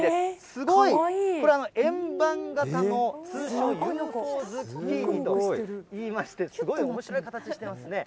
すごい！これは円盤型の、通称、ＵＦＯズッキーニといいまして、すごいおもしろい形してますね。